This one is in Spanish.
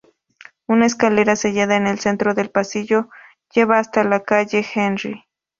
Una escalera sellada en el centro del pasillo lleva hasta la calle Henry.